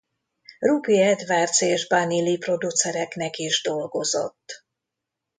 Rupie Edwards és Bunny Lee producereknek is dolgozott.